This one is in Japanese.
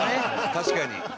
確かに。